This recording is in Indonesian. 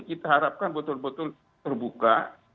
kita harapkan betul betul terbuka